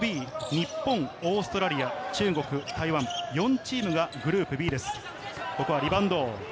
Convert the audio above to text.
日本、オーストラリア、中国、台湾、４チームがグループＢです。